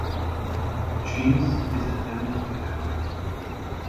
The genus is endemic to Africa.